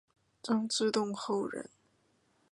张之洞后人。